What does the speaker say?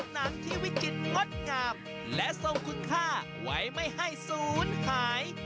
หนังที่วิกฤตงดงามและทรงคุณค่าไว้ไม่ให้ศูนย์หาย